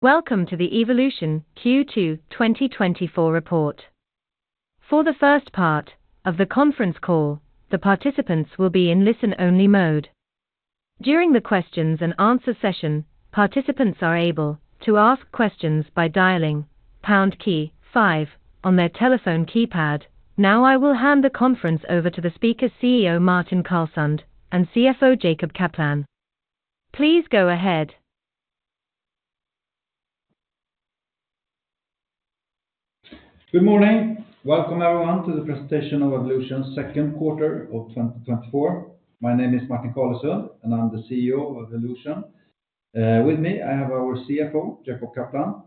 Welcome to the Evolution Q2 2024 report. For the first part of the conference call, the participants will be in listen-only mode. During the questions and answer session, participants are able to ask questions by dialing pound key five on their telephone keypad. Now, I will hand the conference over to the speaker, CEO Martin Carlesund, and CFO Jacob Kaplan. Please go ahead. Good morning. Welcome everyone to the presentation of Evolution second quarter of 2024. My name is Martin Carlesund, and I'm the CEO of Evolution. With me, I have our CFO, Jacob Kaplan.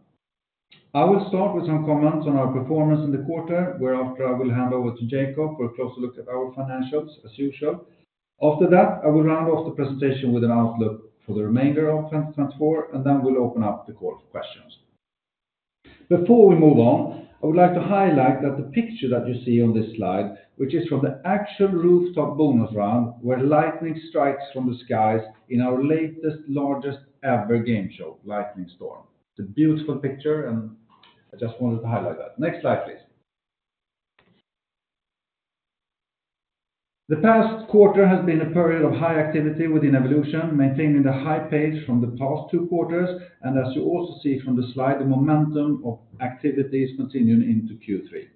I will start with some comments on our performance in the quarter, whereafter I will hand over to Jacob for a closer look at our financials, as usual. After that, I will round off the presentation with an outlook for the remainder of 2024, and then we'll open up the call for questions. Before we move on, I would like to highlight that the picture that you see on this slide, which is from the actual rooftop bonus round, where lightning strikes from the skies in our latest, largest ever game show, Lightning Storm. It's a beautiful picture, and I just wanted to highlight that. Next slide, please. The past quarter has been a period of high activity within Evolution, maintaining the high pace from the past 2 quarters, and as you also see from the slide, the momentum of activity is continuing into Q3.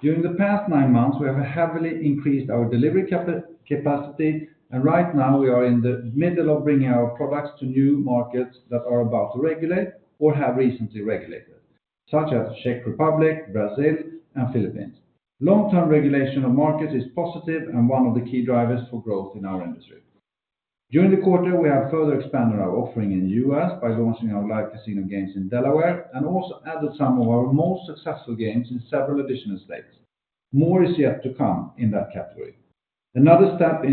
During the past 9 months, we have heavily increased our delivery capacity, and right now we are in the middle of bringing our products to new markets that are about to regulate or have recently regulated, such as Czech Republic, Brazil and Philippines. Long-term regulation of markets is positive and one of the key drivers for growth in our industry. During the quarter, we have further expanded our offering in U.S. by launching our live casino games in Delaware and also added some of our most successful games in several additional states. More is yet to come in that category. Another step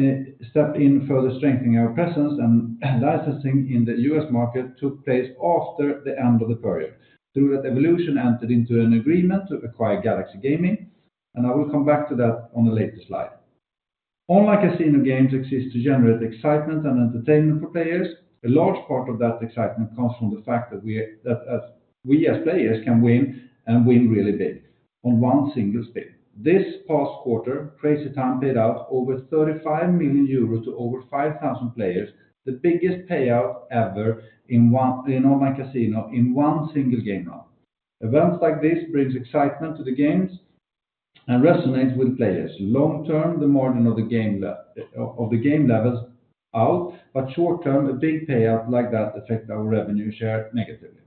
in further strengthening our presence and licensing in the US market took place after the end of the period, through that Evolution entered into an agreement to acquire Galaxy Gaming, and I will come back to that on a later slide. Online casino games exist to generate excitement and entertainment for players. A large part of that excitement comes from the fact that as we as players can win, and win really big on one single spin. This past quarter, Crazy Time paid out over 35 million euros to over 5,000 players, the biggest payout ever in online casino in one single game round. Events like this brings excitement to the games and resonates with players. Long term, the more of the game levels out, but short term, a big payout like that affects our revenue share negatively.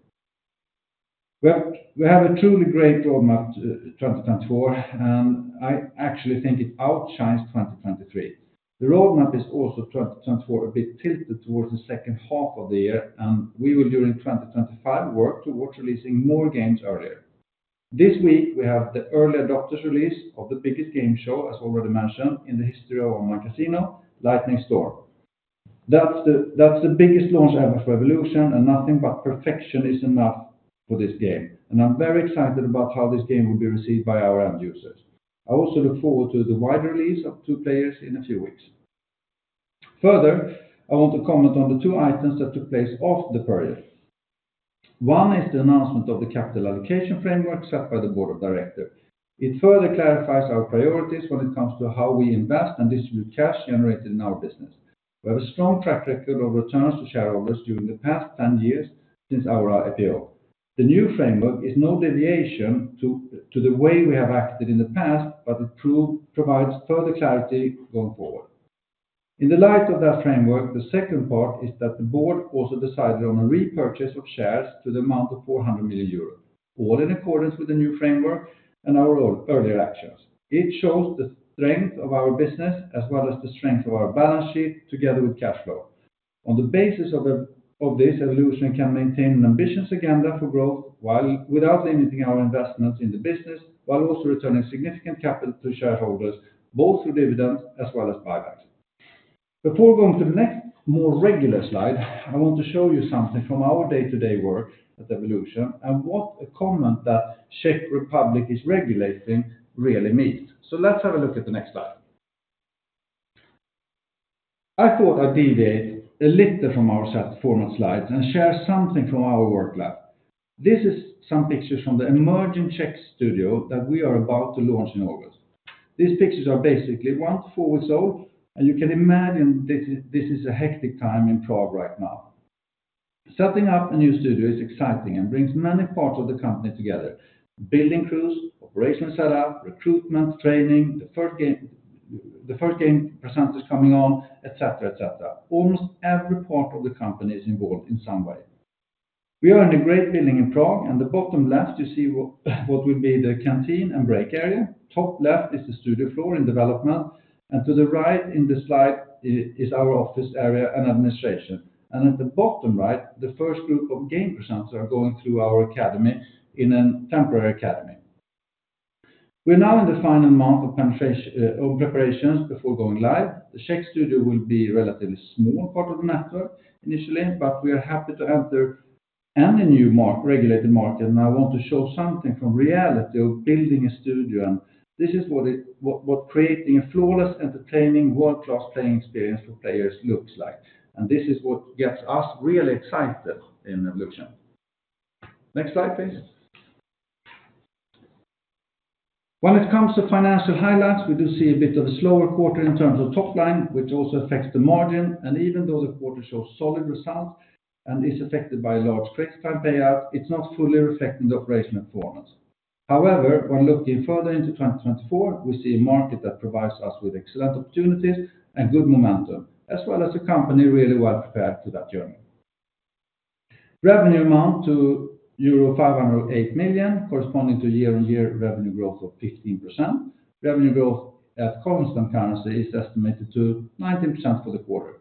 Well, we have a truly great roadmap, 2024, and I actually think it outshines 2023. The roadmap is also 2024, a bit tilted towards the second half of the year, and we will, during 2025, work towards releasing more games earlier. This week, we have the early adopters release of the biggest game show, as already mentioned, in the history of online casino, Lightning Storm. That's the biggest launch ever for Evolution, and nothing but perfection is enough for this game, and I'm very excited about how this game will be received by our end users. I also look forward to the wide release of 2 Players in a few weeks. Further, I want to comment on the 2 items that took place after the period. One is the announcement of the capital allocation framework set by the board of directors. It further clarifies our priorities when it comes to how we invest and distribute cash generated in our business. We have a strong track record of returns to shareholders during the past 10 years since our IPO. The new framework is no deviation to the way we have acted in the past, but it provides further clarity going forward. In the light of that framework, the second part is that the board also decided on a repurchase of shares to the amount of 400 million euros, all in accordance with the new framework and our earlier actions. It shows the strength of our business as well as the strength of our balance sheet together with cash flow. On the basis of this, Evolution can maintain an ambitious agenda for growth, while without limiting our investment in the business, while also returning significant capital to shareholders, both through dividends as well as buybacks. Before going to the next more regular slide, I want to show you something from our day-to-day work at Evolution and what a comment that Czech Republic is regulating really means. So let's have a look at the next slide. I thought I'd deviate a little from our set format slides and share something from our work lab. This is some pictures from the emerging Czech studio that we are about to launch in August. These pictures are basically 1-4 weeks old, and you can imagine this is, this is a hectic time in Prague right now. Setting up a new studio is exciting and brings many parts of the company together: building crews, operational setup, recruitment, training, the first game, the first game presenters coming on, et cetera, et cetera. Almost every part of the company is involved in some way. We are in a great building in Prague, and the bottom left you see what will be the canteen and break area. Top left is the studio floor in development, and to the right in the slide is our office area and administration. At the bottom right, the first group of game presenters are going through our academy in a temporary academy. We're now in the final month of preparations before going live. The Czech studio will be a relatively small part of the network initially, but we are happy to enter any new regulated market, and I want to show something from reality of building a studio, and this is what creating a flawless, entertaining, world-class playing experience for players looks like. And this is what gets us really excited in Evolution. Next slide, please. When it comes to financial highlights, we do see a bit of a slower quarter in terms of top line, which also affects the margin, and even though the quarter shows solid results and is affected by a large Crazy Time payout, it's not fully reflecting the operational performance. However, when looking further into 2024, we see a market that provides us with excellent opportunities and good momentum, as well as a company really well prepared to that journey. Revenue amount to euro 508 million, corresponding to 15% year-on-year revenue growth. Revenue growth at constant currency is estimated to 19% for the quarter.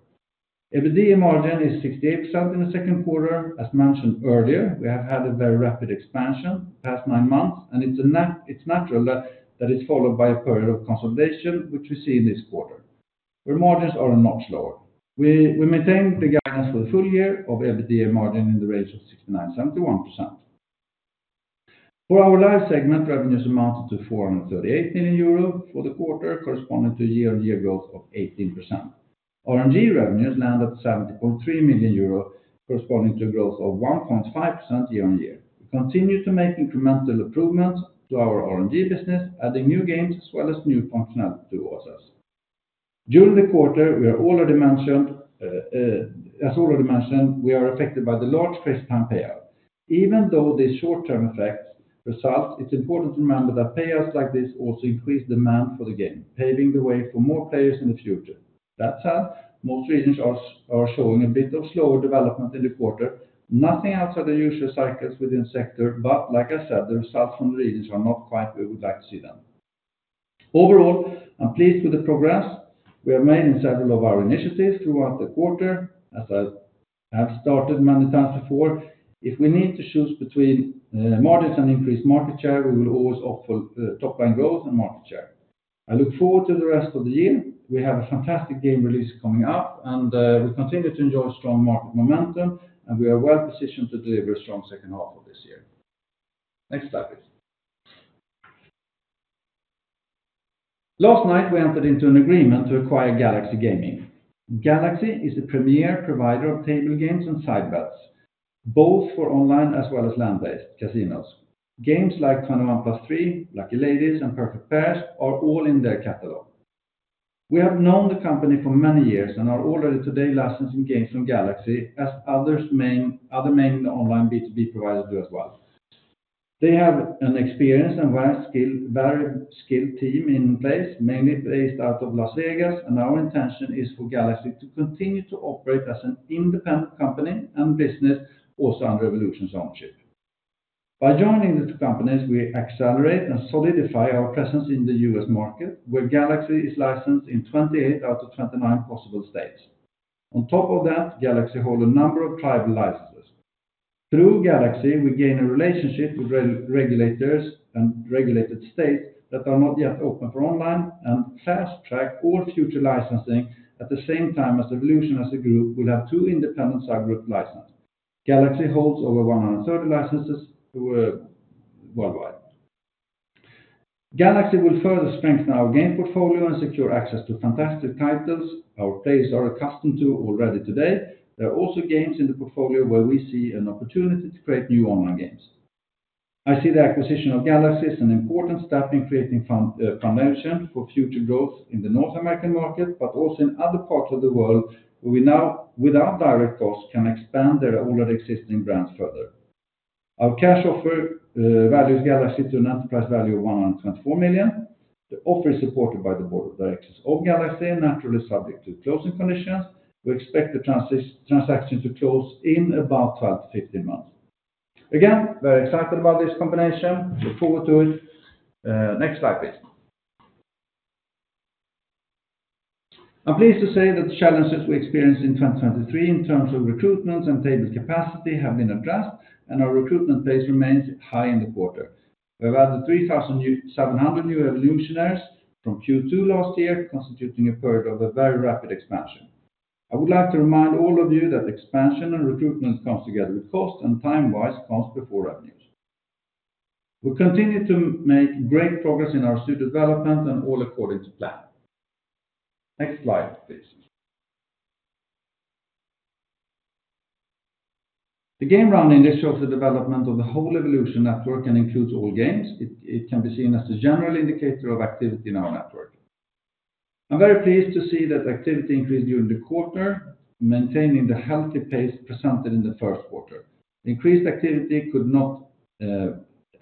EBITDA margin is 68% in the second quarter. As mentioned earlier, we have had a very rapid expansion the past nine months, and it's natural that, that is followed by a period of consolidation, which we see in this quarter, where margins are much lower. We maintain the guidance for the full year of EBITDA margin in the range of 69%-71%. For our live segment, revenues amounted to 438 million euros for the quarter, corresponding to 18% year-on-year growth. RNG revenues landed at EUR 70.3 million, corresponding to a growth of 1.5% year-on-year. We continue to make incremental improvements to our RNG business, adding new games as well as new functionality to OSS. During the quarter, we have already mentioned, as already mentioned, we are affected by the large first-time payout. Even though this short-term effect results, it's important to remember that payouts like this also increase demand for the game, paving the way for more players in the future. That said, most regions are showing a bit of slower development in the quarter. Nothing outside the usual cycles within the sector, but like I said, the results from the regions are not quite where we would like to see them. Overall, I'm pleased with the progress we have made in several of our initiatives throughout the quarter. As I have started many times before, if we need to choose between margins and increased market share, we will always opt for top-line growth and market share. I look forward to the rest of the year. We have a fantastic game release coming up, and we continue to enjoy strong market momentum, and we are well positioned to deliver a strong second half of this year. Next slide, please. Last night, we entered into an agreement to acquire Galaxy Gaming. Galaxy is a premier provider of table games and side bets, both for online as well as land-based casinos. Games like 21+3, Lucky Ladies, and Perfect Pairs are all in their catalog. We have known the company for many years and are already today licensing games from Galaxy as other main online B2B providers do as well. They have an experienced and well-skilled, very skilled team in place, mainly based out of Las Vegas, and our intention is for Galaxy to continue to operate as an independent company and business, also under Evolution's ownership. By joining the two companies, we accelerate and solidify our presence in the U.S. market, where Galaxy is licensed in 28 out of 29 possible states. On top of that, Galaxy hold a number of tribal licenses. Through Galaxy, we gain a relationship with regulators and regulated states that are not yet open for online, and fast-track all future licensing at the same time as Evolution as a group will have two independent subgroup license. Galaxy holds over 130 licenses worldwide. Galaxy will further strengthen our game portfolio and secure access to fantastic titles our players are accustomed to already today. There are also games in the portfolio where we see an opportunity to create new online games. I see the acquisition of Galaxy as an important step in creating foundation for future growth in the North America market, but also in other parts of the world, where we now, without direct costs, can expand their already existing brands further. Our cash offer values Galaxy to an enterprise value of 124 million. The offer is supported by the board of directors of Galaxy, naturally subject to closing conditions. We expect the transaction to close in about 12-15 months. Again, very excited about this combination. Look forward to it. Next slide, please. I'm pleased to say that the challenges we experienced in 2023 in terms of recruitment and table capacity have been addressed, and our recruitment pace remains high in the quarter. We've added 700 new Evolutionaires from Q2 last year, constituting a period of a very rapid expansion. I would like to remind all of you that expansion and recruitment comes together with cost, and time-wise, cost before revenues. We continue to make great progress in our studio development and all according to plan. Next slide, please. The Game Round Index shows the development of the whole Evolution network and includes all games. It can be seen as a general indicator of activity in our network. I'm very pleased to see that activity increased during the quarter, maintaining the healthy pace presented in the first quarter. Increased activity could not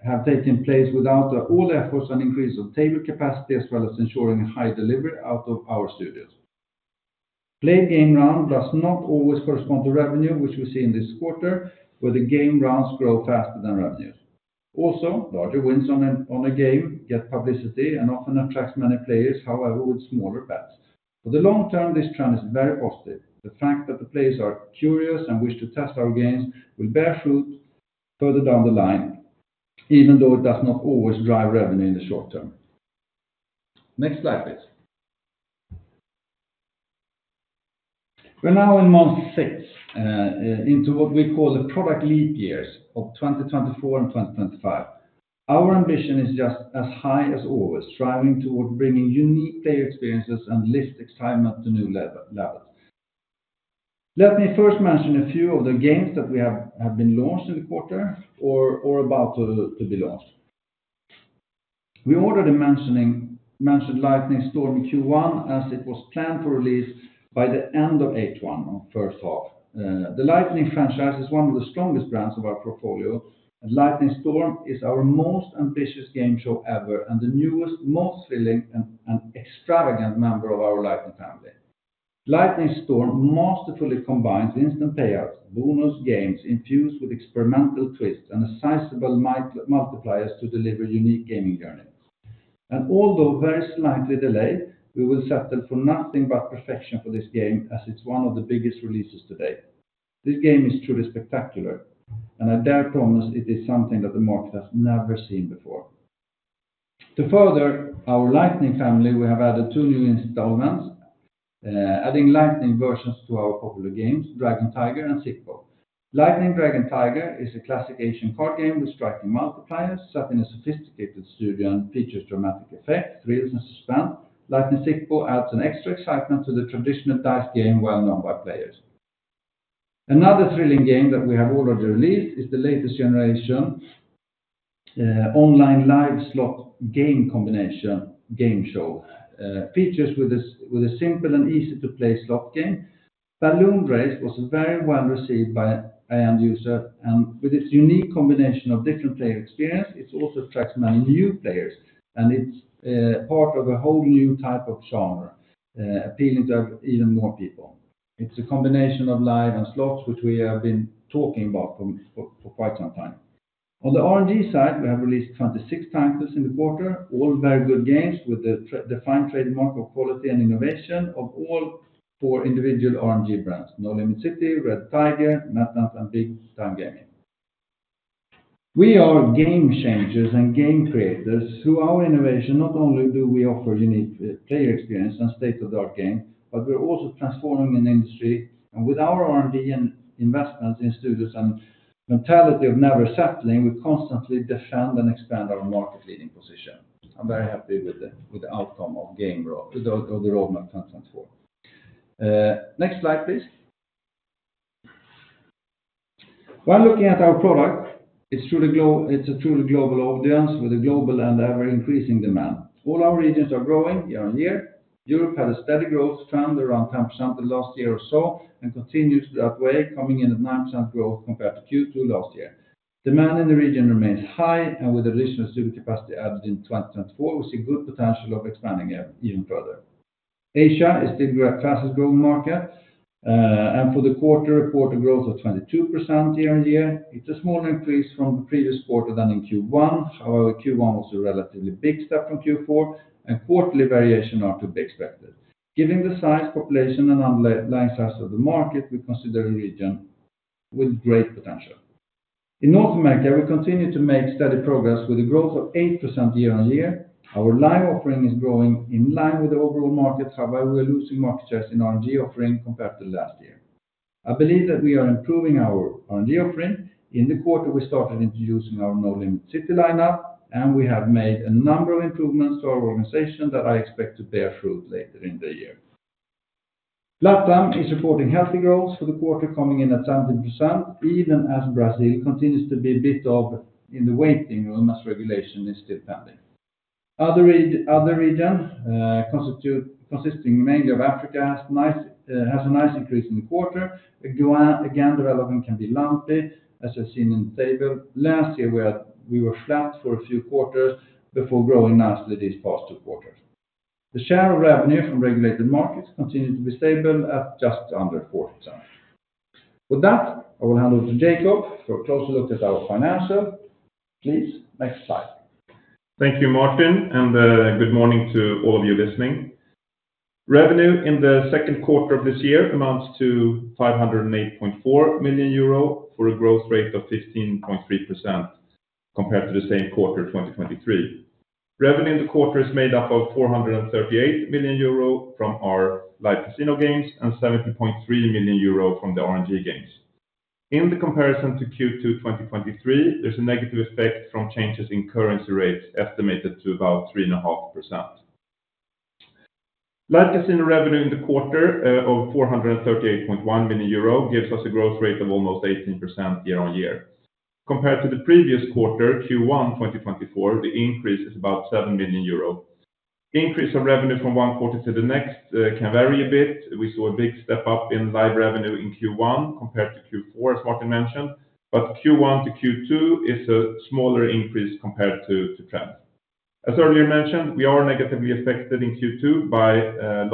have taken place without all efforts and increase of table capacity, as well as ensuring high delivery out of our studios. The Game Round Index does not always correspond to revenue, which we see in this quarter, where the game rounds grow faster than revenues. Also, larger wins on a game get publicity and often attracts many players, however, with smaller bets. For the long term, this trend is very positive. The fact that the players are curious and wish to test our games will bear fruit further down the line, even though it does not always drive revenue in the short term. Next slide, please. We're now in month 6 into what we call the product lead years of 2024 and 2025. Our ambition is just as high as always, striving toward bringing unique player experiences and lift excitement to new levels. Let me first mention a few of the games that we have been launched in the quarter, or about to be launched. We already mentioned Lightning Storm in Q1, as it was planned for release by the end of Q1, in first half. The Lightning franchise is one of the strongest brands of our portfolio, and Lightning Storm is our most ambitious game show ever, and the newest, most thrilling, and extravagant member of our Lightning family. Lightning Storm masterfully combines instant payouts, bonus games, infused with experimental twists, and sizable multipliers to deliver unique gaming journeys. And although very slightly delayed, we will settle for nothing but perfection for this game, as it's one of the biggest releases to date. This game is truly spectacular, and I dare promise it is something that the market has never seen before. To further our Lightning family, we have added two new installments, adding Lightning versions to our popular games, Dragon Tiger and Sic Bo. Lightning Dragon Tiger is a classic Asian card game with striking multipliers, set in a sophisticated studio, and features dramatic effects, thrills, and suspense. Lightning Sic Bo adds an extra excitement to the traditional dice game, well known by players. Another thrilling game that we have already released is the latest generation online live slot game combination game show features with a simple and easy to play slot game. Balloon Race was very well received by end user, and with its unique combination of different player experience, it also attracts many new players, and it's part of a whole new type of genre, appealing to even more people. It's a combination of live and slots, which we have been talking about for quite some time. On the RNG side, we have released 26 titles in the quarter, all very good games with the true-defined trademark of quality and innovation of all four individual RNG brands, Nolimit City, Red Tiger, NetEnt, and Big Time Gaming. We are game changers and game creators. Through our innovation, not only do we offer unique player experience and state-of-the-art game, but we're also transforming an industry. With our RNG and investments in studios, and mentality of never settling, we constantly defend and expand our market-leading position. I'm very happy with the outcome of the game roadmap 2024. Next slide, please. While looking at our product, it's a truly global audience with a global and ever-increasing demand. All our regions are growing year-on-year. Europe had a steady growth trend, around 10% the last year or so, and continues that way, coming in at 9% growth compared to Q2 last year. Demand in the region remains high, and with additional studio capacity added in 2024, we see good potential of expanding it even further. Asia is still our fastest-growing market, and for the quarter, quarter growth of 22% year-on-year, it's a small increase from the previous quarter than in Q1. However, Q1 was a relatively big step from Q4, and quarterly variation are to be expected. Given the size, population, and underlying size of the market, we consider the region with great potential. In North America, we continue to make steady progress with the growth of 8% year-on-year. Our live offering is growing in line with the overall market. However, we are losing market shares in RNG offering compared to last year. I believe that we are improving our RNG offering. In the quarter, we started introducing our Nolimit City lineup, and we have made a number of improvements to our organization that I expect to bear fruit later in the year. LatAm is reporting healthy growth for the quarter, coming in at 70%, even as Brazil continues to be a bit of in the waiting room, as regulation is still pending. Other region, consisting mainly of Africa, has a nice increase in the quarter. Again, the revenue can be lumpy, as I've seen in the table. Last year, we were flat for a few quarters before growing nicely these past two quarters. The share of revenue from regulated markets continued to be stable at just under 40%. With that, I will hand over to Jacob for a closer look at our financials. Please, next slide. Thank you, Martin, and good morning to all of you listening. Revenue in the second quarter of this year amounts to 508.4 million euro, for a growth rate of 15.3% compared to the same quarter, 2023. Revenue in the quarter is made up of 438 million euro from our live casino games, and 70.3 million euro from the RNG games. In the comparison to Q2 2023, there's a negative effect from changes in currency rates estimated to about 3.5%. Live casino revenue in the quarter of 438.1 million euro gives us a growth rate of almost 18% year on year. Compared to the previous quarter, Q1 2024, the increase is about 7 million euro. Increase of revenue from one quarter to the next can vary a bit. We saw a big step up in live revenue in Q1 compared to Q4, as Martin mentioned, but Q1 to Q2 is a smaller increase compared to trend. As earlier mentioned, we are negatively affected in Q2 by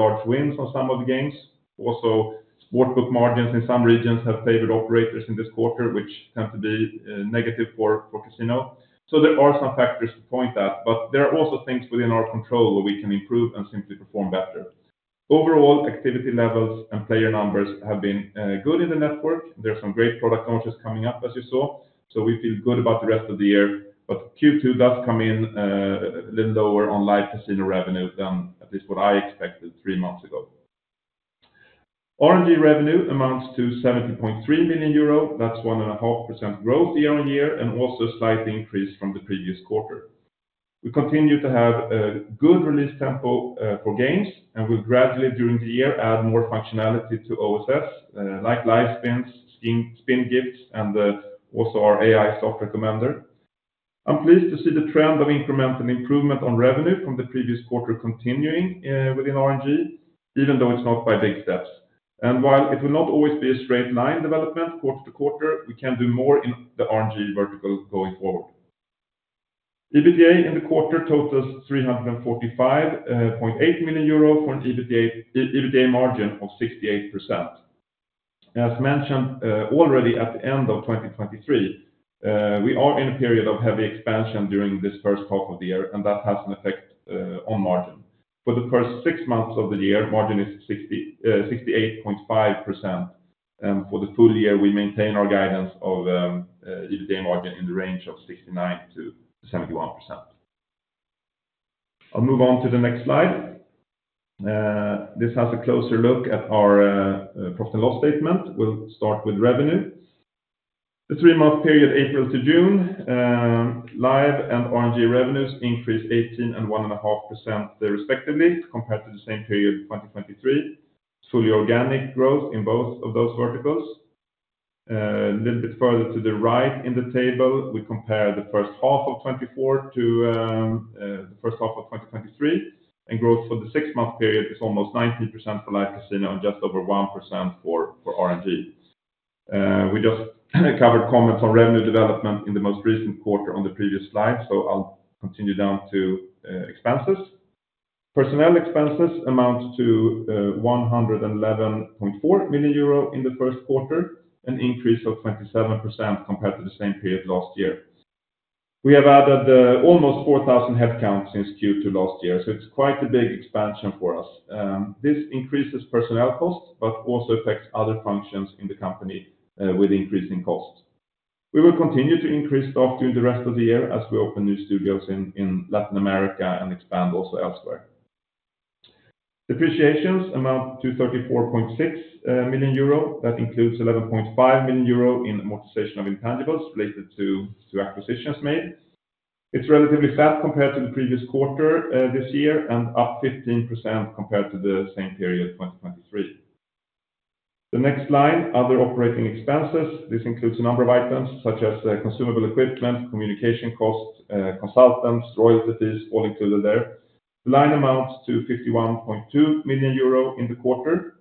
large wins on some of the games. Also, sportsbook margins in some regions have favored operators in this quarter, which tend to be negative for casino. So there are some factors to point at, but there are also things within our control where we can improve and simply perform better. Overall, activity levels and player numbers have been good in the network. There are some great product launches coming up, as you saw, so we feel good about the rest of the year, but Q2 does come in a little lower on live casino revenue than at least what I expected three months ago. RNG revenue amounts to 70.3 million euro. That's 1.5% growth year-on-year, and also a slight increase from the previous quarter. We continue to have a good release tempo for games, and we'll gradually during the year add more functionality to OSS, like Livespins, Spin Gifts, and also our AI Slot Recommender. I'm pleased to see the trend of incremental improvement on revenue from the previous quarter continuing within RNG, even though it's not by big steps. While it will not always be a straight line development quarter to quarter, we can do more in the RNG vertical going forward. EBITDA in the quarter totals 345.8 million euro for an EBITDA margin of 68%. As mentioned already at the end of 2023, we are in a period of heavy expansion during this first half of the year, and that has an effect on margin. For the first six months of the year, margin is 68.5%, and for the full year, we maintain our guidance of EBITDA margin in the range of 69%-71%. I'll move on to the next slide. This has a closer look at our profit and loss statement. We'll start with revenue. The three-month period, April to June, live and RNG revenues increased 18% and 1.5% there respectively, compared to the same period, 2023. Fully organic growth in both of those verticals. A little bit further to the right in the table, we compare the first half of 2024 to the first half of 2023, and growth for the six-month period is almost 19% for live casino and just over 1% for RNG. We just covered comments on revenue development in the most recent quarter on the previous slide, so I'll continue down to expenses. Personnel expenses amount to 111.4 million euro in the first quarter, an increase of 27% compared to the same period last year. We have added almost 4,000 headcounts since Q2 last year, so it's quite a big expansion for us. This increases personnel costs, but also affects other functions in the company with increasing costs. We will continue to increase staff during the rest of the year as we open new studios in Latin America and expand also elsewhere. Depreciations amount to 34.6 million euro. That includes 11.5 million euro in amortization of intangibles related to acquisitions made. It's relatively flat compared to the previous quarter this year, and up 15% compared to the same period, 2023. The next line, other operating expenses. This includes a number of items such as consumable equipment, communication costs, consultants, royalty fees, all included there. Line amounts to 51.2 million euro in the quarter.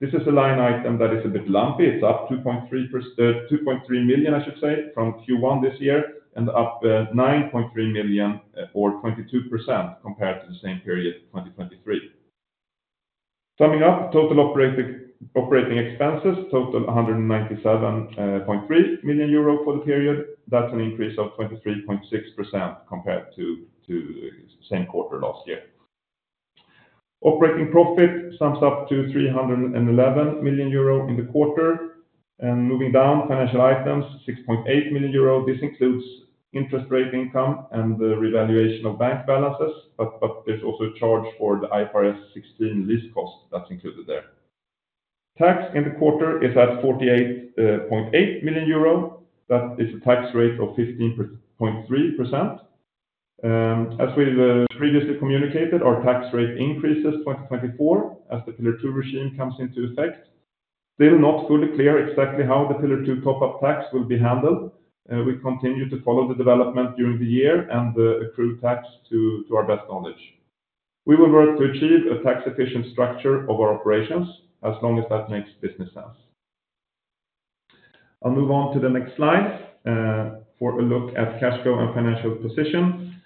This is a line item that is a bit lumpy. It's up 2.3 per 2.3 million, I should say, from Q1 this year, and up 9.3 million, or 22%, compared to the same period, 2023. Summing up, total operating expenses total 197.3 million euro for the period. That's an increase of 23.6% compared to the same quarter last year. Operating profit sums up to 311 million euro in the quarter, and moving down, financial items, 6.8 million euro. This includes interest rate income and the revaluation of bank balances, but there's also a charge for the IFRS 16 lease cost that's included there. Tax in the quarter is at 48.8 million euro. That is a tax rate of 15.3%. As we've previously communicated, our tax rate increases 2024 as the Pillar Two regime comes into effect. Still not fully clear exactly how the Pillar Two top-up tax will be handled. We continue to follow the development during the year and the accrued tax to, to our best knowledge. We will work to achieve a tax efficient structure of our operations as long as that makes business sense. I'll move on to the next slide, for a look at cash flow and financial position.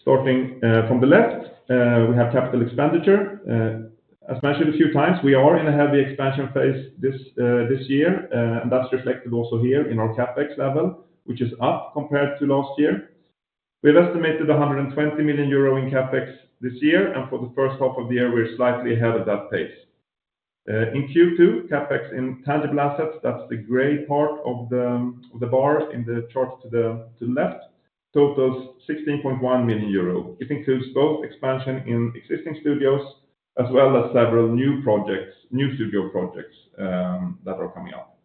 Starting from the left, we have capital expenditure. As mentioned a few times, we are in a heavy expansion phase this year, and that's reflected also here in our CapEx level, which is up compared to last year. We've estimated 120 million euro in CapEx this year, and for the first half of the year, we're slightly ahead of that pace. In Q2, CapEx in tangible assets, that's the gray part of the bar in the chart to the left, totals 16.1 million euro. It includes both expansion in existing studios as well as several new projects, new studio projects, that are coming up.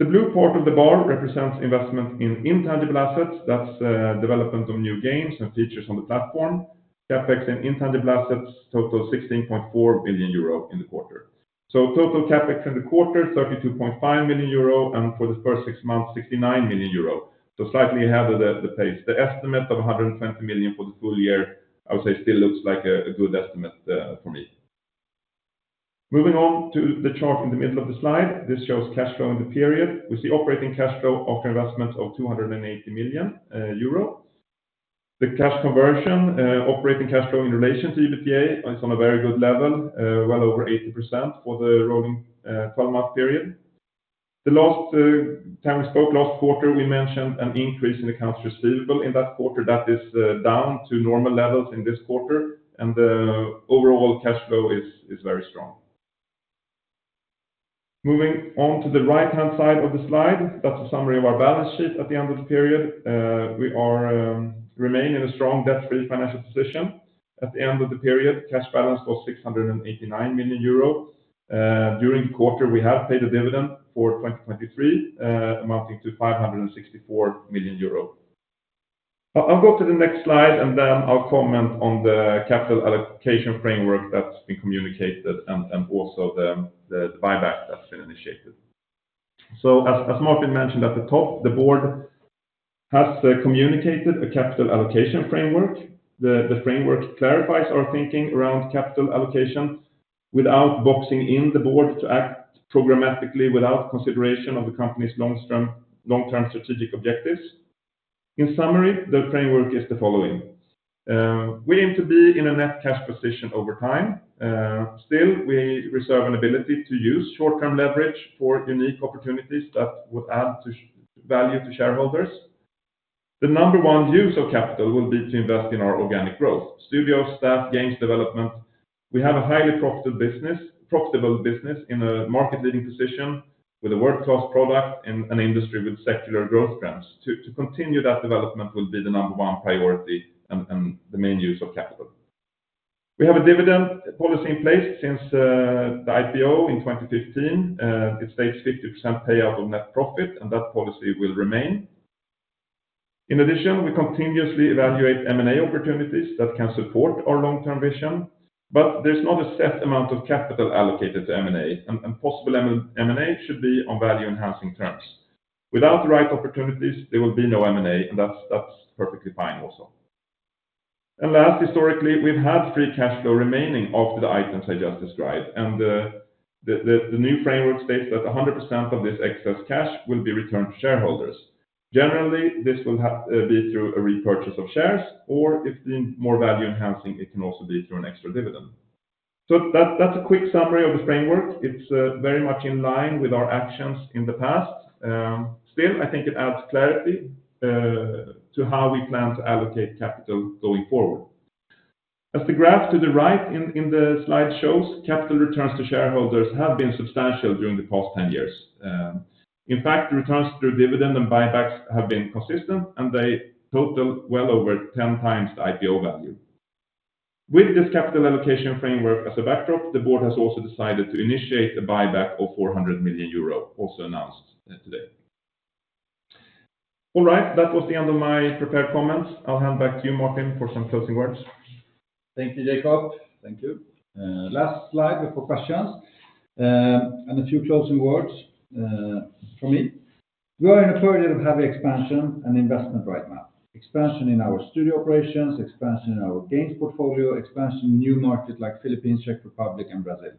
The blue part of the bar represents investment in intangible assets. That's development of new games and features on the platform. CapEx in intangible assets total 16.4 million euro in the quarter. So total CapEx in the quarter, 32.5 million euro, and for the first six months, 69 million euro. So slightly ahead of the pace. The estimate of 120 million for the full year, I would say, still looks like a good estimate for me. Moving on to the chart in the middle of the slide, this shows cash flow in the period with the operating cash flow of investment of 280 million euro. The cash conversion, operating cash flow in relation to EBITDA, is on a very good level, well over 80% for the rolling 12-month period. The last time we spoke last quarter, we mentioned an increase in accounts receivable in that quarter. That is down to normal levels in this quarter, and the overall cash flow is very strong. Moving on to the right-hand side of the slide, that's a summary of our balance sheet at the end of the period. We remain in a strong debt-free financial position. At the end of the period, cash balance was 689 million euro. During the quarter, we have paid a dividend for 2023, amounting to 564 million euro. I'll go to the next slide, and then I'll comment on the capital allocation framework that's been communicated and also the buyback that's been initiated. So as Martin mentioned at the top, the board has communicated a capital allocation framework. The framework clarifies our thinking around capital allocation without boxing in the board to act programmatically without consideration of the company's long-term strategic objectives. In summary, the framework is the following. We aim to be in a net cash position over time. Still, we reserve an ability to use short-term leverage for unique opportunities that would add shareholder value to shareholders. The number one use of capital will be to invest in our organic growth, studio, staff, games, development. We have a highly profitable business in a market-leading position with a world-class product in an industry with secular growth trends. To continue that development will be the number one priority and the main use of capital. We have a dividend policy in place since the IPO in 2015. It states 50% payout on net profit, and that policy will remain. In addition, we continuously evaluate M&A opportunities that can support our long-term vision, but there's not a set amount of capital allocated to M&A, and possible M&A should be on value-enhancing terms. Without the right opportunities, there will be no M&A, and that's perfectly fine also. Last, historically, we've had free cash flow remaining after the items I just described, and the new framework states that 100% of this excess cash will be returned to shareholders. Generally, this will be through a repurchase of shares, or if the more value enhancing, it can also be through an extra dividend. So that's a quick summary of the framework. It's very much in line with our actions in the past. Still, I think it adds clarity to how we plan to allocate capital going forward. As the graph to the right in the slide shows, capital returns to shareholders have been substantial during the past 10 years. In fact, the returns through dividend and buybacks have been consistent, and they total well over 10 times the IPO value. With this capital allocation framework as a backdrop, the board has also decided to initiate a buyback of 400 million euro, also announced today. All right, that was the end of my prepared comments. I'll hand back to you, Martin, for some closing words. Thank you, Jacob. Thank you. Last slide before questions, and a few closing words from me. We are in a period of heavy expansion and investment right now. Expansion in our studio operations, expansion in our games portfolio, expansion in new markets like Philippines, Czech Republic, and Brazil.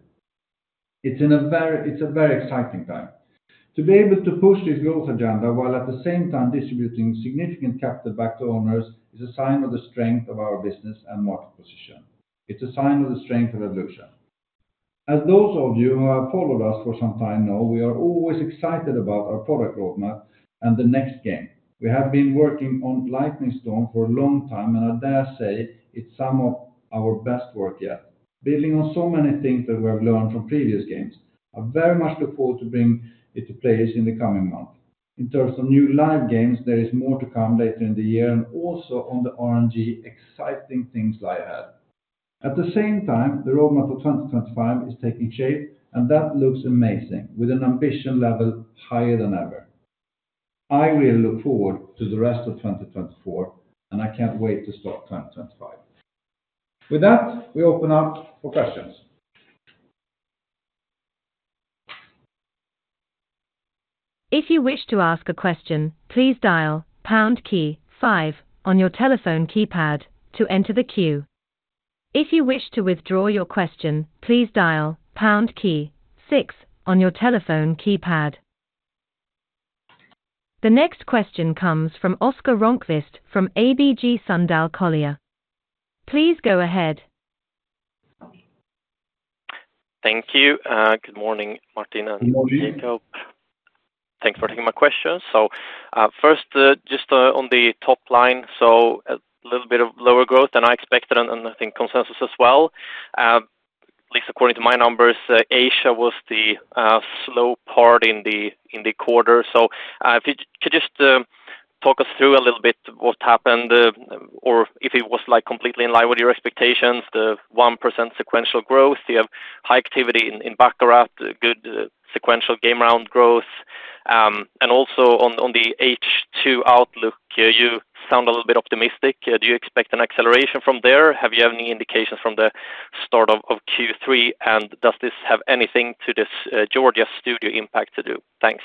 It's a very exciting time. To be able to push this growth agenda while at the same time distributing significant capital back to owners, is a sign of the strength of our business and market position. It's a sign of the strength of Evolution. As those of you who have followed us for some time know, we are always excited about our product roadmap and the next game. We have been working on Lightning Storm for a long time, and I dare say it's some of our best work yet. Building on so many things that we have learned from previous games, I very much look forward to bring it to players in the coming month. In terms of new live games, there is more to come later in the year, and also on the RNG, exciting things lie ahead. At the same time, the roadmap for 2025 is taking shape, and that looks amazing, with an ambition level higher than ever. I really look forward to the rest of 2024, and I can't wait to start 2025. With that, we open up for questions. If you wish to ask a question, please dial pound key five on your telephone keypad to enter the queue. If you wish to withdraw your question, please dial pound key six on your telephone keypad. The next question comes from Oscar Rönnqvist from ABG Sundal Collier. Please go ahead. Thank you. Good morning, Martin and Jacob. Good morning. Thanks for taking my question. So, first, just on the top line, so a little bit of lower growth than I expected, and I think consensus as well. At least according to my numbers, Asia was the slow part in the quarter. So, if you could just talk us through a little bit what happened, or if it was, like, completely in line with your expectations, the 1% sequential growth. You have high activity in baccarat, good sequential game round growth. And also on the H2 outlook, you sound a little bit optimistic. Do you expect an acceleration from there? Have you any indications from the start of Q3, and does this have anything to this Georgia Studio impact to do? Thanks.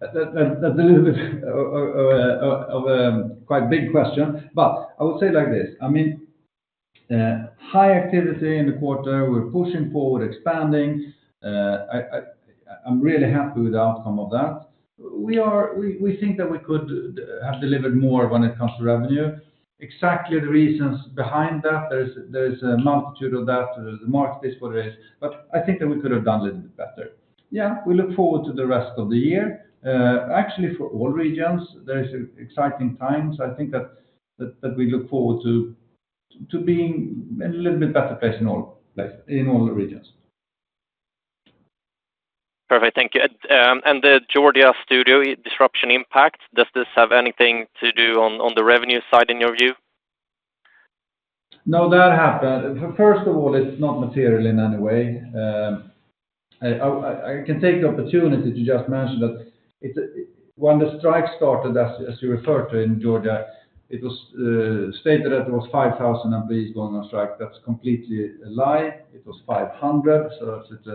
That's a little bit of a quite big question, but I would say it like this: I mean, high activity in the quarter, we're pushing forward, expanding. I'm really happy with the outcome of that. We think that we could have delivered more when it comes to revenue. Exactly the reasons behind that, there is a multitude of that. The market is what it is, but I think that we could have done a little bit better. Yeah, we look forward to the rest of the year. Actually, for all regions, there is exciting times. I think that we look forward to being in a little bit better place in all places, in all the regions.... Thank you. And the Georgia studio, disruption impact, does this have anything to do on the revenue side, in your view? No, that happened. First of all, it's not material in any way. I can take the opportunity to just mention that it, when the strike started, as you referred to in Georgia, it was stated that it was 5,000 employees going on strike. That's completely a lie. It was 500, so it's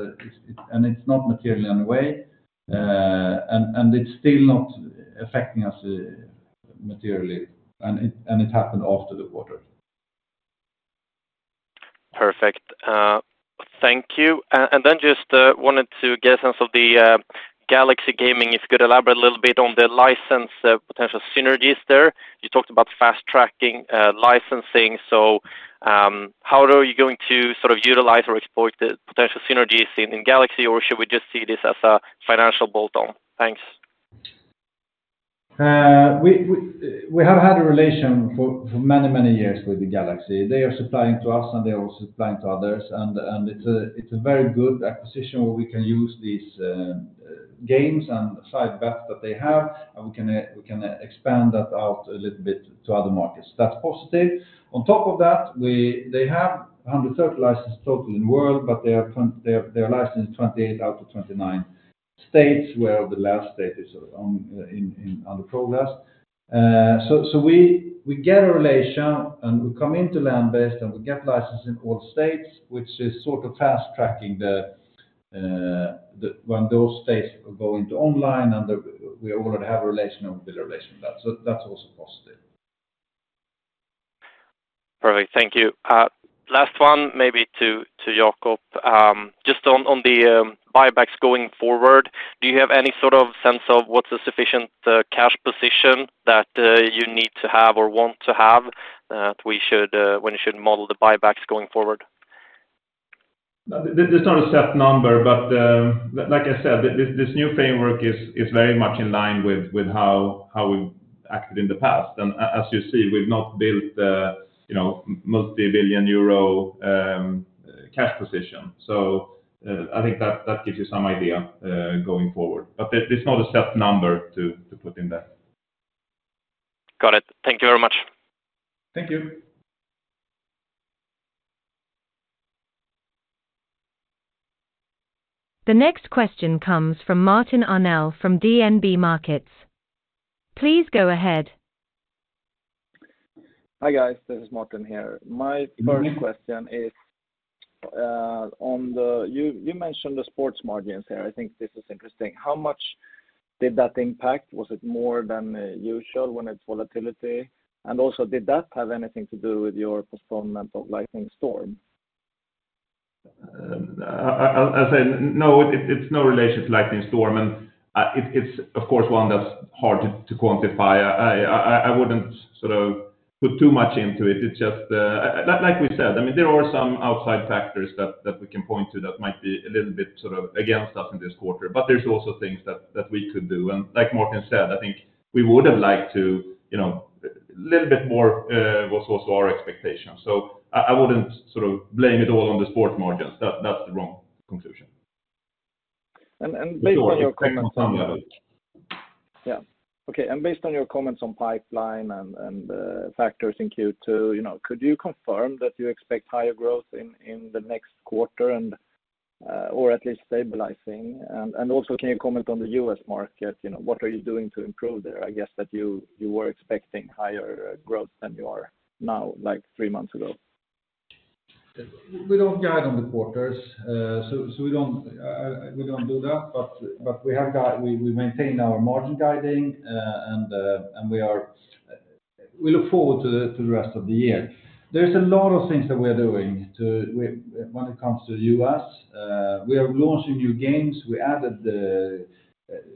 and it's not material in any way. And it's still not affecting us materially, and it happened after the quarter. Perfect. Thank you. And then just wanted to get a sense of the Galaxy Gaming. If you could elaborate a little bit on the licensing potential synergies there. You talked about fast-tracking licensing, so how are you going to sort of utilize or exploit the potential synergies in Galaxy, or should we just see this as a financial bolt-on? Thanks. We have had a relationship for many years with the Galaxy. They are supplying to us, and they're also supplying to others. And it's a very good acquisition where we can use these games and side bets that they have, and we can expand that out a little bit to other markets. That's positive. On top of that, they have a hundred jurisdiction licenses total in the world, but they are currently licensed in 28 out of 29 states, where the last state is in progress. So we get a relationship, and we come into land-based, and we get licenses in all states, which is sort of fast-tracking when those states go into online, and we already have a relationship with the regulators. That's also positive. Perfect. Thank you. Last one, maybe to, to Jacob. Just on, on the buybacks going forward, do you have any sort of sense of what's the sufficient cash position that you need to have or want to have, we should, when you should model the buybacks going forward? There's not a set number, but like I said, this new framework is very much in line with how we've acted in the past. As you see, we've not built the, you know, multi-billion euro cash position. So, I think that gives you some idea going forward, but there's not a set number to put in that. Got it. Thank you very much. Thank you. The next question comes from Martin Arnell, from DNB Markets. Please go ahead. Hi, guys. This is Martin here. My first question is on the, you mentioned the sports margins here. I think this is interesting. How much did that impact? Was it more than usual when it's volatility? And also, did that have anything to do with your performance of Lightning Storm? I said, no, it's no relation to Lightning Storm, and it's, of course, one that's hard to quantify. I wouldn't sort of put too much into it. It's just, like we said, I mean, there are some outside factors that we can point to that might be a little bit sort of against us in this quarter, but there's also things that we could do. And like Martin said, I think we would have liked to, you know, a little bit more was also our expectations. So I wouldn't sort of blame it all on the sports margins. That's the wrong conclusion. And based on your comments- On some level. Yeah. Okay, and based on your comments on pipeline and factors in Q2, you know, could you confirm that you expect higher growth in the next quarter and or at least stabilizing? And also, can you comment on the U.S. market? You know, what are you doing to improve there? I guess that you were expecting higher growth than you are now, like, three months ago. We don't guide on the quarters. So we don't do that, but we maintain our margin guidance, and we look forward to the rest of the year. There's a lot of things that we're doing when it comes to U.S. We are launching new games. We added the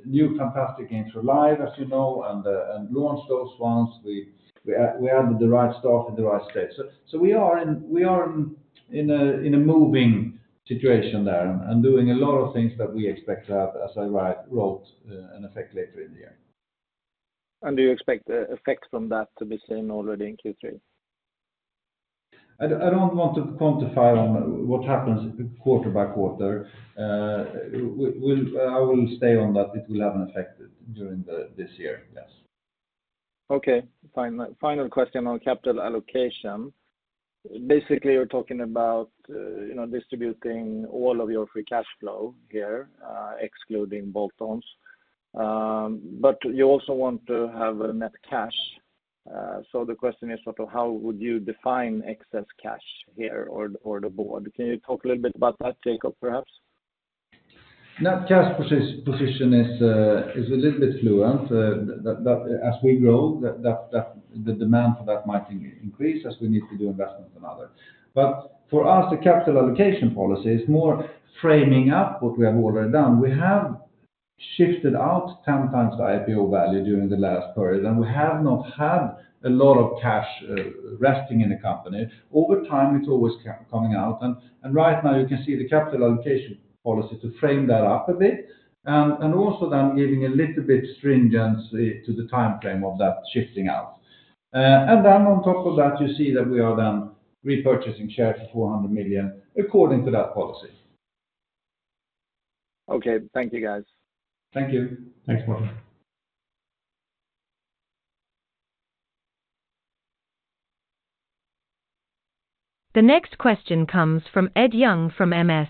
new fantastic games for Live, as you know, and launched those ones. We added the right stuff in the right states. So we are in a moving situation there and doing a lot of things that we expect to have, as I wrote, an effect later in the year. Do you expect the effects from that to be seen already in Q3? I don't want to quantify on what happens quarter by quarter. I will stay on that. It will have an effect during this year, yes. Okay, fine. My final question on capital allocation, basically, you're talking about, you know, distributing all of your free cash flow here, excluding bolt-ons. But you also want to have a net cash. So the question is, sort of how would you define excess cash here, or, or the board? Can you talk a little bit about that, Jacob, perhaps? Net cash position is a little bit fluid. That as we grow, that the demand for that might increase as we need to do investment another. But for us, the capital allocation policy is more framing up what we have already done. We have shifted out 10 times the IPO value during the last period, and we have not had a lot of cash resting in the company. Over time, it's always coming out, and right now, you can see the capital allocation policy to frame that up a bit. And also then giving a little bit stringency to the timeframe of that shifting out. And then on top of that, you see that we are repurchasing shares for 400 million according to that policy. Okay. Thank you, guys. Thank you. Thanks, Martin. The next question comes from Ed Young from Morgan Stanley.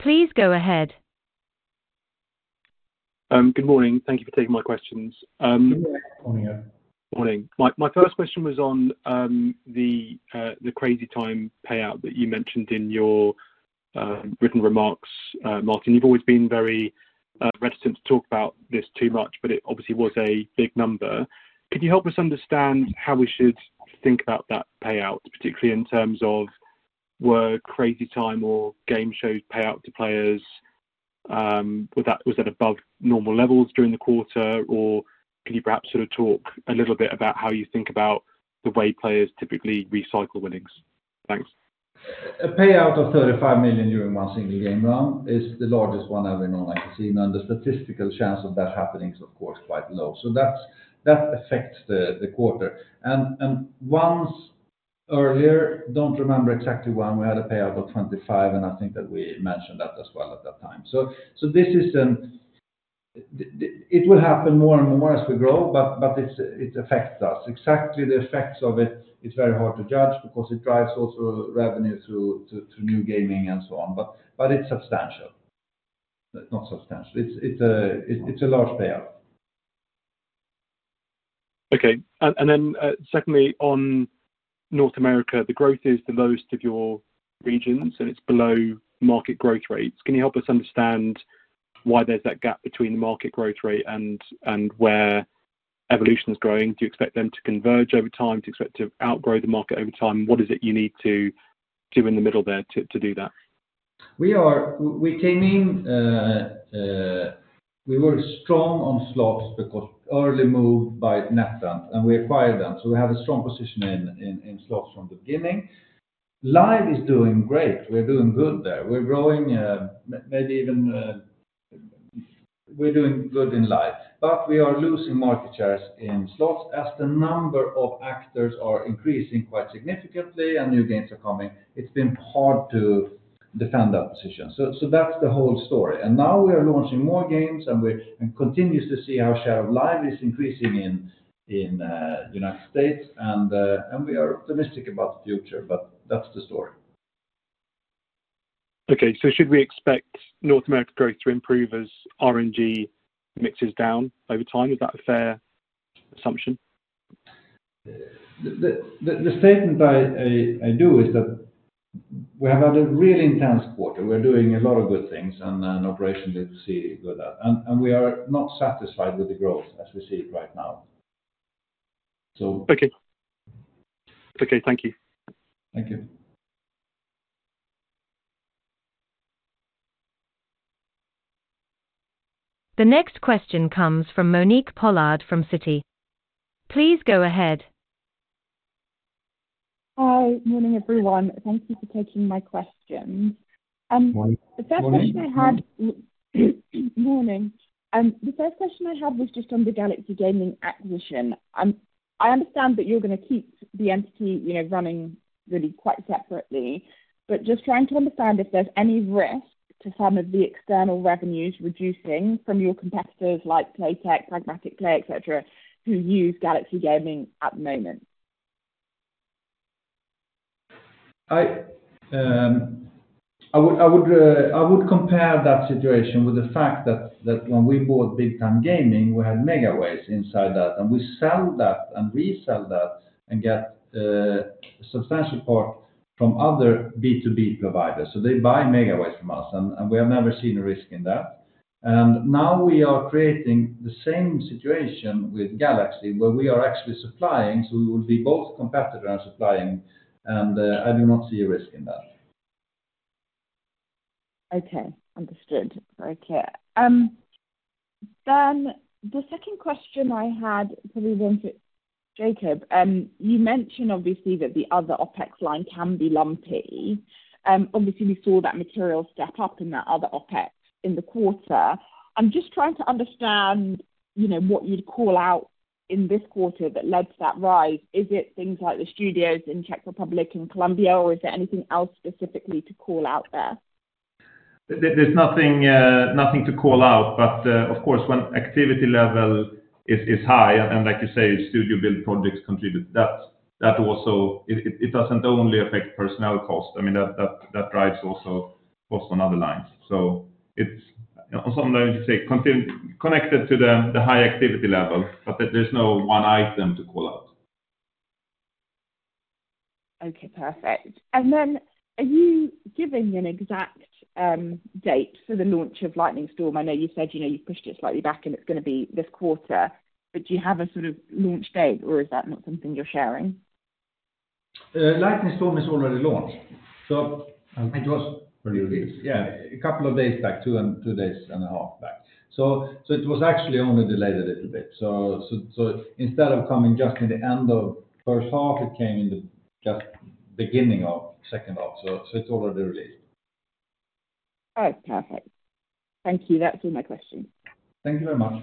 Please go ahead. Good morning. Thank you for taking my questions. Good morning. Morning. My first question was on the Crazy Time payout that you mentioned in your written remarks. Martin, you've always been very reticent to talk about this too much, but it obviously was a big number. Could you help us understand how we should think about that payout, particularly in terms of were Crazy Time or game shows payout to players, was that above normal levels during the quarter? Or can you perhaps sort of talk a little bit about how you think about the way players typically recycle winnings? Thanks. A payout of 35 million during one single game round is the largest one ever in online casino, and the statistical chance of that happening is, of course, quite low. So that's, that affects the quarter. And once earlier, don't remember exactly when, we had a payout of 25 million, and I think that we mentioned that as well at that time. So this is the-- it will happen more and more as we grow, but it's, it affects us. Exactly the effects of it, it's very hard to judge because it drives also revenue through to new gaming and so on. But it's substantial. Not substantial. It's a large payout. Okay. Then, secondly, on North America, the growth is the most of your regions, and it's below market growth rates. Can you help us understand why there's that gap between the market growth rate and where Evolution is growing? Do you expect them to converge over time? Do you expect to outgrow the market over time? What is it you need to do in the middle there to do that? We came in, we were strong on slots because early moved by NetEnt, and we acquired them. So we have a strong position in slots from the beginning. Live is doing great. We're doing good there. We're growing, maybe even. We're doing good in live, but we are losing market shares in slots. As the number of actors are increasing quite significantly and new games are coming, it's been hard to defend that position. So that's the whole story. And now we are launching more games, and we continue to see our share of live is increasing in United States, and we are optimistic about the future, but that's the story. Okay. So should we expect North America growth to improve as RNG mixes down over time? Is that a fair assumption? The statement I do is that we have had a really intense quarter. We're doing a lot of good things, and operations, you see good out there. And we are not satisfied with the growth as we see it right now, so- Okay. Okay, thank you. Thank you. The next question comes from Monique Pollard from Citi. Please go ahead. Hi. Morning, everyone. Thank you for taking my questions. Morning. The first question I had, morning. The first question I had was just on the Galaxy Gaming acquisition. I understand that you're going to keep the entity, you know, running really quite separately, but just trying to understand if there's any risk to some of the external revenues reducing from your competitors, like Playtech, Pragmatic Play, et cetera, who use Galaxy Gaming at the moment. I would compare that situation with the fact that when we bought Big Time Gaming, we had Megaways inside that, and we sell that and resell that and get substantial part from other B2B providers. So they buy Megaways from us, and we have never seen a risk in that. And now we are creating the same situation with Galaxy, where we are actually supplying, so we will be both competitor and supplying, and I do not see a risk in that. Okay, understood. Okay. Then the second question I had, probably one to Jacob, you mentioned obviously that the other OpEx line can be lumpy. Obviously, we saw that material step up in that other OpEx in the quarter. I'm just trying to understand, you know, what you'd call out in this quarter that led to that rise. Is it things like the studios in Czech Republic and Colombia, or is there anything else specifically to call out there? There's nothing to call out, but of course, when activity level is high, and like you say, studio build projects contribute, that also... It doesn't only affect personnel cost. I mean, that drives also costs on other lines. So it's on some level, you say, connected to the high activity level, but there's no one item to call out. Okay, perfect. And then, are you giving an exact date for the launch of Lightning Storm? I know you said, you know, you've pushed it slightly back, and it's going to be this quarter, but do you have a sort of launch date, or is that not something you're sharing? Lightning Storm is already launched, so- Okay. It was released. Yeah, a couple of days back, two and a half days back. So, instead of coming just in the end of the first half, it came in just the beginning of the second half. So, it's already released. All right. Perfect. Thank you. That's all my questions. Thank you very much.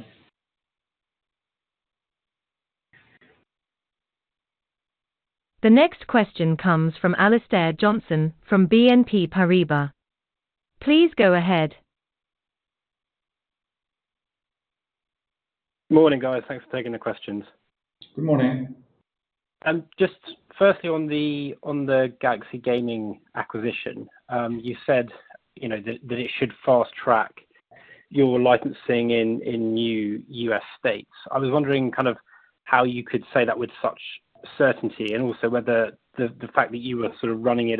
The next question comes from Alistair Johnson from BNP Paribas. Please go ahead. Morning, guys. Thanks for taking the questions. Good morning. Just firstly, on the Galaxy Gaming acquisition, you said, you know, that it should fast track your licensing in new U.S. states. I was wondering kind of how you could say that with such certainty, and also whether the fact that you were sort of running it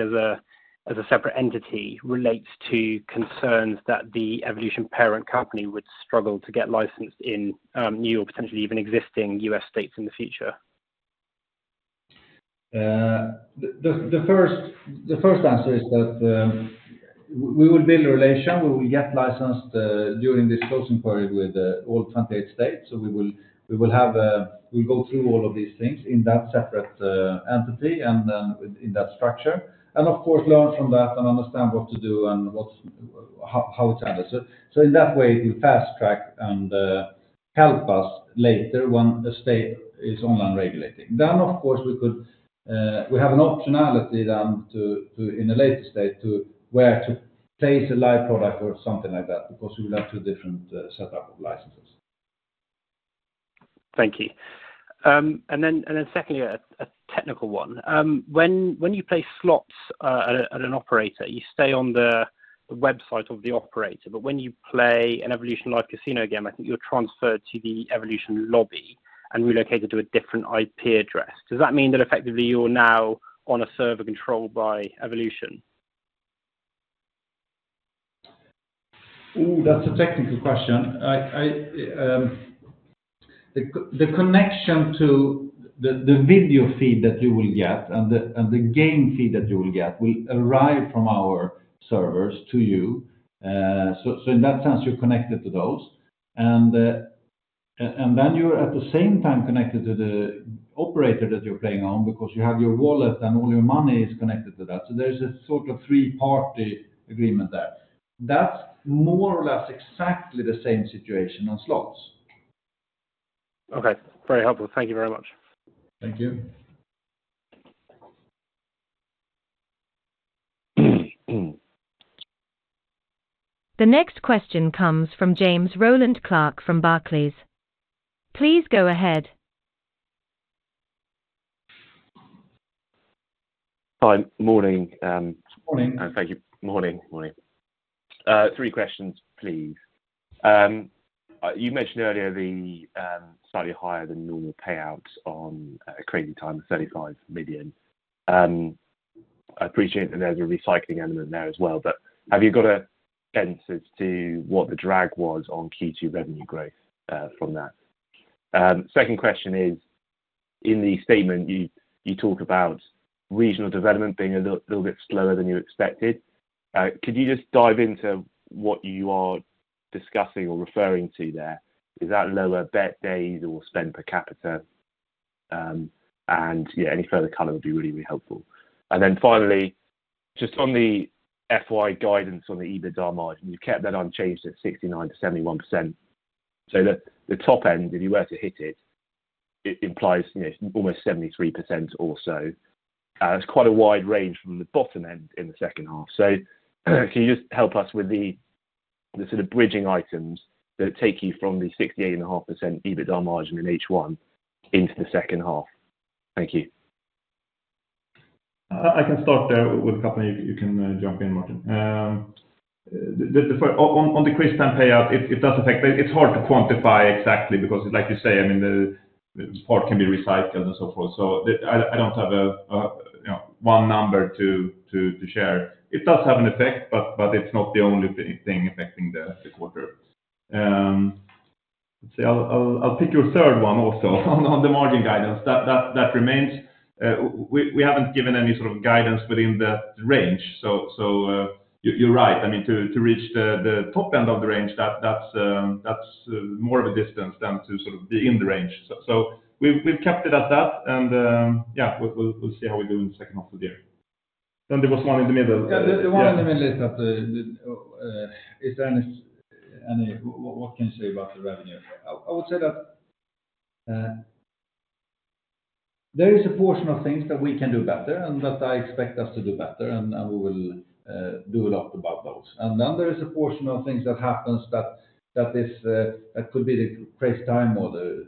as a separate entity relates to concerns that the Evolution parent company would struggle to get licensed in new or potentially even existing U.S. states in the future? The first answer is that we will build a relation where we get licensed during this closing period with all 28 states. So we will have a—we go through all of these things in that separate entity and then in that structure, and of course, learn from that and understand what to do and what's—how it's addressed. So in that way, we fast track and help us later when the state is online regulating. Then, of course, we could, we have an optionality then to, in a later state, to where to place a live product or something like that, because we would have two different setup of licenses. Thank you. And then secondly, a technical one. When you play slots at an operator, you stay on the website of the operator, but when you play an Evolution Live Casino game, I think you're transferred to the Evolution lobby and relocated to a different IP address. Does that mean that effectively you're now on a server controlled by Evolution? Ooh, that's a technical question. The connection to the video feed that you will get and the game feed that you will get will arrive from our servers to you. So in that sense, you're connected to those. And then you're at the same time connected to the operator that you're playing on because you have your wallet and all your money is connected to that. So there's a sort of three-party agreement there. That's more or less exactly the same situation on slots. Okay. Very helpful. Thank you very much. Thank you. The next question comes from James Rowland Clark from Barclays. Please go ahead. Hi. Morning, Morning. Thank you. Morning, morning. Three questions, please. You mentioned earlier the slightly higher than normal payouts on Crazy Time, 35 million. I appreciate that there's a recycling element there as well, but have you got a sense as to what the drag was on Q2 revenue growth from that? Second question is, in the statement you talk about regional development being a little bit slower than you expected. Could you just dive into what you are discussing or referring to there? Is that lower bet days or spend per capita? And yeah, any further color would be really, really helpful. And then finally, just on the FY guidance on the EBITDA margin, you've kept that unchanged at 69%-71%. So the top end, if you were to hit it, it implies, you know, almost 73% or so. It's quite a wide range from the bottom end in the second half. So, can you just help us with the sort of bridging items that take you from the 68.5% EBITDA margin in H1 into the second half? Thank you. I can start there with a couple, you can jump in, Martin. On the Crazy Time payout, it does affect, but it's hard to quantify exactly because like you say, I mean, the part can be recycled and so forth. So I don't have a you know one number to share. It does have an effect, but it's not the only thing affecting the quarter. Let's see, I'll pick your third one also, on the margin guidance. That remains, we haven't given any sort of guidance within that range. So you’re right. I mean, to reach the top end of the range, that's more of a distance than to sort of be in the range. So, we've kept it at that, and, yeah, we'll see how we do in the second half of the year. Then there was one in the middle. Yeah, the one in the middle is that, is there any, what can you say about the revenue? I would say that there is a portion of things that we can do better, and that I expect us to do better, and we will do a lot about those. And then there is a portion of things that happens that is that could be the Crazy Time or the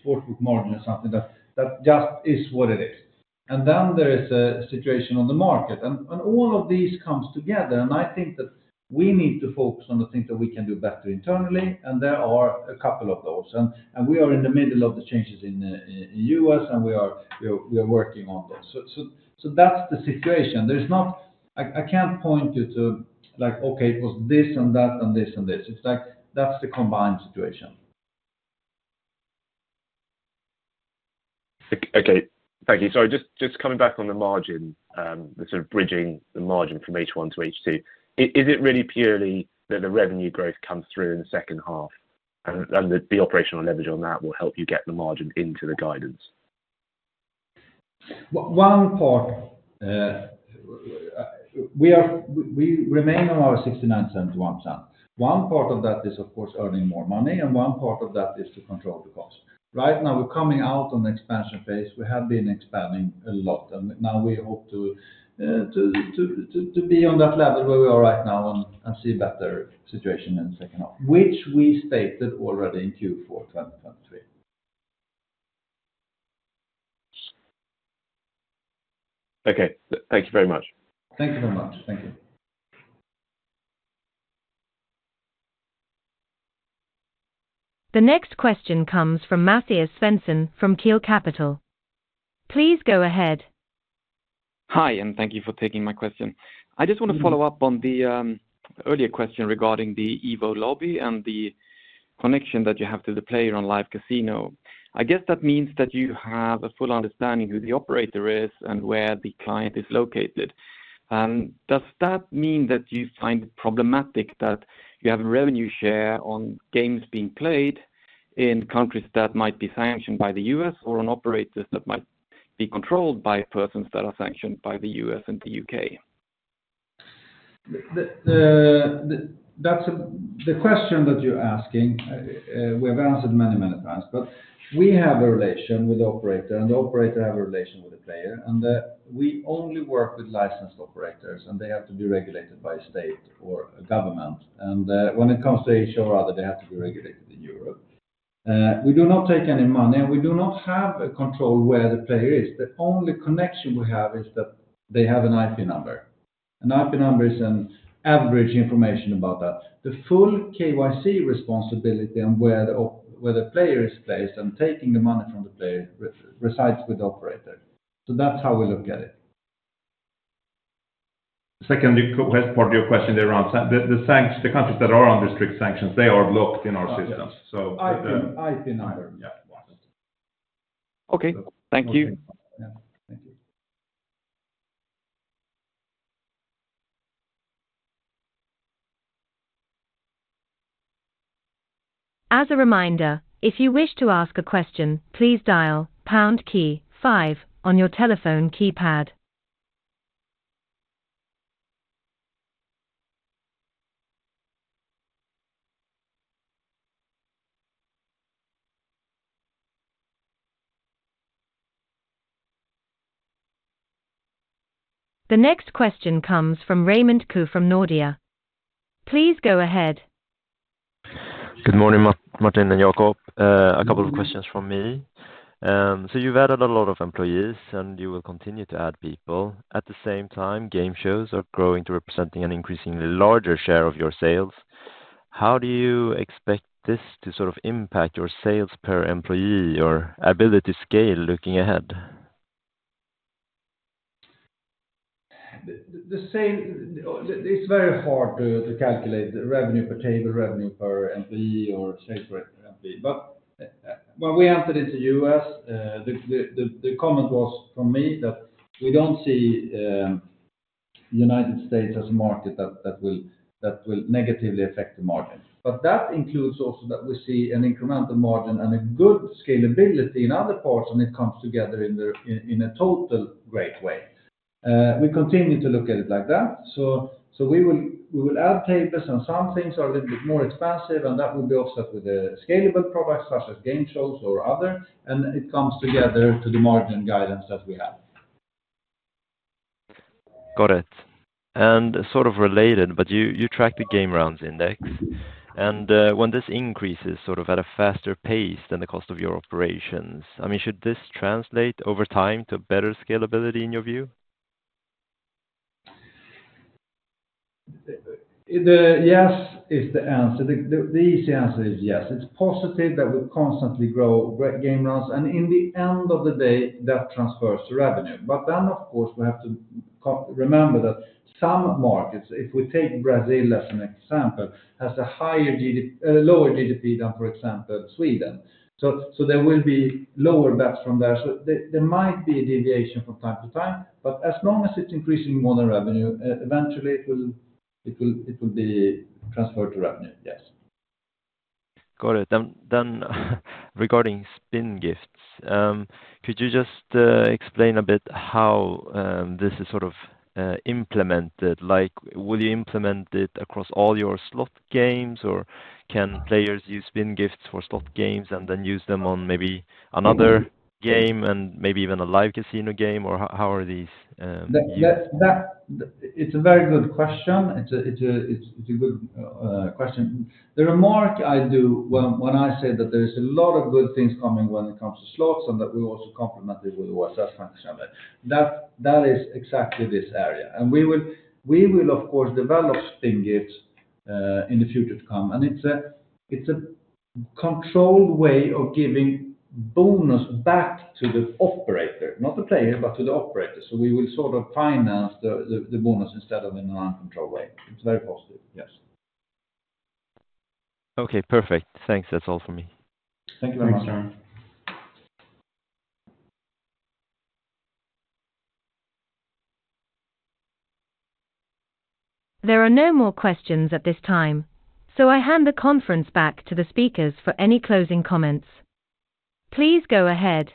sports book margin or something. That just is what it is. And then there is a situation on the market, and all of these comes together, and I think that we need to focus on the things that we can do better internally, and there are a couple of those. We are in the middle of the changes in U.S., and we are working on those. So that's the situation. There's not... I can't point you to like, okay, it was this and that, and this, and this. It's like, that's the combined situation. Okay. Thank you. Sorry, just coming back on the margin, the sort of bridging the margin from H1 to H2. Is it really purely that the revenue growth comes through in the second half and the operational leverage on that will help you get the margin into the guidance?... One part, we remain on our69-.01. One part of that is, of course, earning more money, and one part of that is to control the cost. Right now, we're coming out on the expansion phase. We have been expanding a lot, and now we hope to be on that level where we are right now and see better situation in the second half, which we stated already in Q4 2023. Okay. Thank you very much. Thank you very much. Thank you. The next question comes from Mattias Svensson from Keel Capital. Please go ahead. Hi, and thank you for taking my question. I just want to- Follow up on the earlier question regarding the Evo lobby and the connection that you have to the player on Live Casino. I guess that means that you have a full understanding who the operator is and where the client is located. And does that mean that you find it problematic that you have a revenue share on games being played in countries that might be sanctioned by the U.S., or on operators that might be controlled by persons that are sanctioned by the U.S. and the U.K.? That's the question that you're asking. We have answered many, many times, but we have a relation with the operator, and the operator have a relation with the player, and we only work with licensed operators, and they have to be regulated by state or government. And when it comes to Asia or other, they have to be regulated in Europe. We do not take any money, and we do not have a control where the player is. The only connection we have is that they have an IP number. An IP number is an average information about that. The full KYC responsibility and where the player is placed and taking the money from the player resides with the operator. So that's how we look at it. Second, the core part of your question around sanctions. The sanctions, the countries that are on restricted sanctions, they are blocked in our systems. Okay. So- IP, IP number. Yeah, of course. Okay. Thank you. Yeah. Thank you. As a reminder, if you wish to ask a question, please dial pound key five on your telephone keypad. The next question comes from Raymond Kow from Nordea. Please go ahead. Good morning, Martin and Jacob. A couple of questions from me. So you've added a lot of employees, and you will continue to add people. At the same time, game shows are growing to representing an increasingly larger share of your sales. How do you expect this to sort of impact your sales per employee or ability to scale looking ahead? It's very hard to calculate the revenue per table, revenue per employee, or sales per employee. But when we entered into U.S., the comment was from me that we don't see United States as a market that will negatively affect the margin. But that includes also that we see an incremental margin and a good scalability in other parts, and it comes together in a total great way. We continue to look at it like that, so we will add tables, and some things are a little bit more expensive, and that will be offset with the scalable products such as game shows or other, and it comes together to the margin guidance that we have. Got it. Sort of related, but you track the game rounds index, and when this increases sort of at a faster pace than the cost of your operations, I mean, should this translate over time to better scalability in your view? Yes is the answer. The easy answer is yes. It's positive that we constantly grow great game rounds, and in the end of the day, that transfers to revenue. But then, of course, we have to remember that some markets, if we take Brazil as an example, has a higher—a lower GDP than, for example, Sweden. So there will be lower bets from there. So there might be a deviation from time to time, but as long as it's increasing more than revenue, eventually it will be transferred to revenue. Yes. Got it. Then, regarding Spin Gifts, could you just explain a bit how this is sort of implemented? Like, will you implement it across all your slot games, or can players use Spin Gifts for slot games and then use them on maybe another game and maybe even a live casino game, or how are these- That's a very good question. It's a good question. The remark I do when I say that there is a lot of good things coming when it comes to slots and that we also complement it with the WhatsApp functionality, that is exactly this area. And we will, of course, develop Spin Gifts in the future to come. And it's a controlled way of giving bonus back to the operator, not the player, but to the operator. So we will sort of finance the bonus instead of in an uncontrolled way. It's very positive. Yes. Okay, perfect. Thanks. That's all for me. Thank you very much. There are no more questions at this time, so I hand the conference back to the speakers for any closing comments. Please go ahead.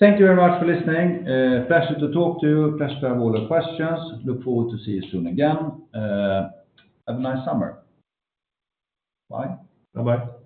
Thank you very much for listening. Pleasure to talk to you. Pleasure to have all the questions. Look forward to see you soon again. Have a nice summer. Bye. Bye-bye.